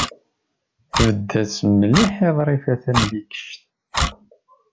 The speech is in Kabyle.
Tbedded-as mliḥ i Ḍrifa Tamlikect.